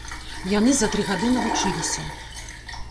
Яны за тры гады навучыліся.